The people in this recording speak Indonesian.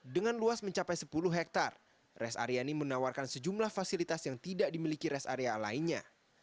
dengan luas mencapai sepuluh hektare rest area ini menawarkan sejumlah fasilitas yang tidak dimiliki res area lainnya